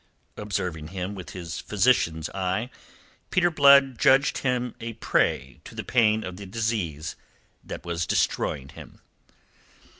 Observing him with his physician's eye, Peter Blood judged him a prey to the pain of the disease that was destroying him.